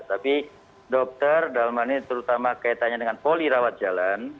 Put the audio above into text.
tapi dokter dalam hal ini terutama kaitannya dengan poli rawat jalan